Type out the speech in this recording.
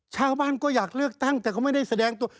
ชาวบ้านก็อยากเลือกตั้งแต่เขาไม่ได้แสดงตัว